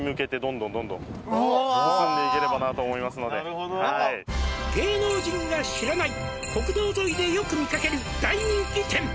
これからあとはもう「芸能人が知らない国道沿いでよく見かける大人気店」